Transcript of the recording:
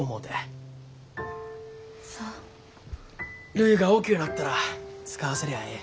るいが大きゅうなったら使わせりゃあええ。